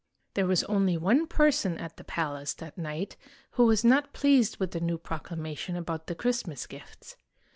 There was only one person at the palace that night who was not pleased with the new proclamation about the Christmas gifts.